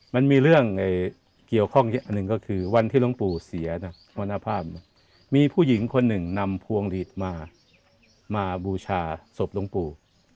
มันมีเรื่องเกี่ยวข้องอีกอันหนึ่งก็คือวันที่หลวงปู่เสียนะมรณภาพมีผู้หญิงคนหนึ่งนำพวงหลีดมามาบูชาศพหลวงปู่